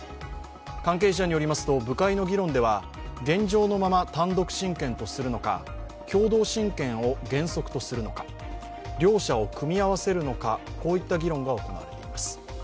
関係者によりますと部会の議論では現状のまま単独親権とするのか共同親権を原則とするのか、両者を組み合わせるのか、こういった議論が行われています。